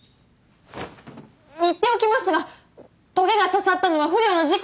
言っておきますが棘が刺さったのは不慮の事故で。